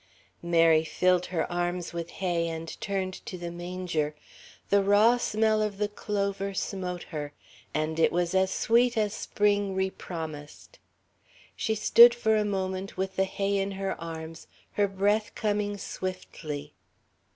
Mary filled her arms with hay, and turned to the manger. The raw smell of the clover smote her, and it was as sweet as Spring repromised. She stood for a moment with the hay in her arms, her breath coming swiftly....